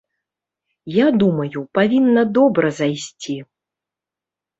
Я думаю, павінна добра зайсці!